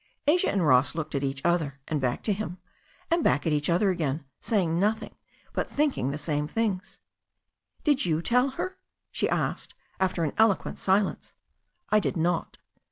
Asia and Ross looked at each other, and back to him, and back at each other again, saying nothing, but thinking the same things. "Did you tell her?" she asked, after an eloquent silence. "I did not."